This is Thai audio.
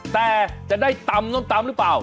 แต่จะได้ตำส้มตำหรือเปล่า